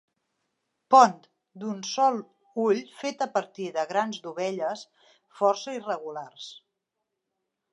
Pont d'un sol ull fet a partir de grans dovelles força irregulars.